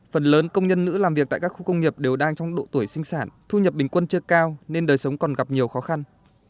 phần lớn công nhân nữ làm việc tại các khu công nghiệp đều đang trong độ tuổi sinh sản thu nhập bình quân chưa cao nên đời sống còn gặp nhiều khó khăn